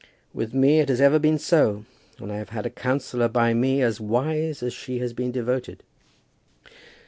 With me it has ever been so, and I have had a counsellor by me as wise as she has been devoted.